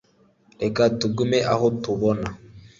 reka tugume aho tubona